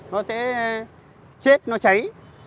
nó sẽ chết nó cháy